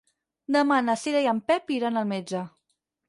Demà na Cira i en Pep iran al metge.